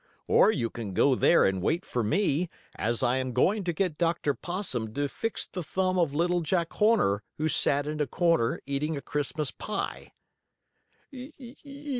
Or you can go there and wait for me, as I am going to get Dr. Possum to fix the thumb of Little Jack Horner, who sat in a corner, eating a Christmas pie."